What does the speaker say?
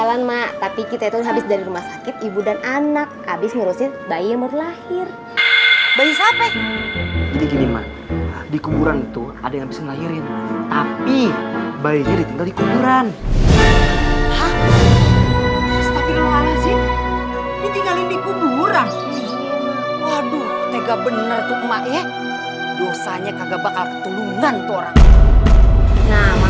anak anak sudah ngerti ada perempuan yang meninggal di pas mengurma